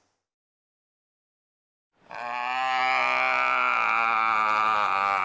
あ。